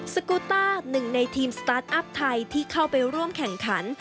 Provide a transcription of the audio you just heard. กูต้าหนึ่งในทีมสตาร์ทอัพไทยที่เข้าไปร่วมแข่งขัน